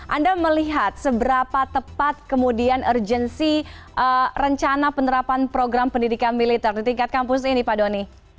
anda melihat seberapa tepat kemudian urgensi rencana penerapan program pendidikan militer di tingkat kampus ini pak doni